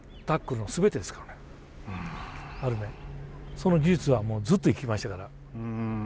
その技術はもうずっと生きましたから。